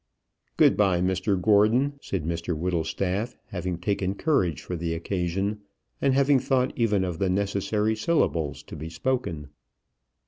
"Good bye, Mr Gordon," said Mr Whittlestaff, having taken courage for the occasion, and having thought even of the necessary syllables to be spoken.